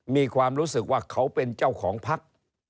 มีความรู้สึกว่าเขาเป็นเจ้าของพัก